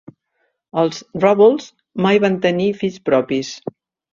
Els Rubbles mai van tenir fills propis.